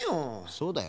そうだよ。